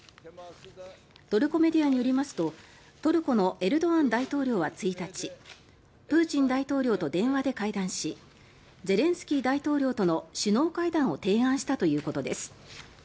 トルコメディアによりますとトルコのエルドアン大統領は１日プーチン大統領と電話で会談しゼレンスキー大統領との首脳会談を提案したということです。